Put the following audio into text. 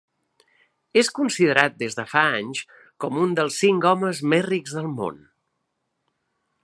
És considerat des de fa anys com un dels cinc homes més rics del món.